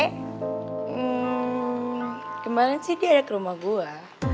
hmm kemarin sih dia ada ke rumah gue